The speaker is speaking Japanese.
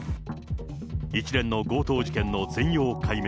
一連の強盗事件の全容解明。